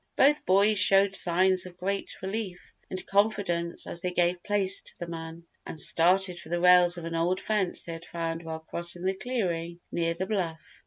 Both boys showed signs of great relief and confidence as they gave place to the man, and started for the rails of an old fence they had found while crossing the clearing near the bluff.